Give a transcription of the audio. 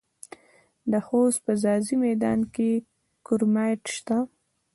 د خوست په ځاځي میدان کې کرومایټ شته.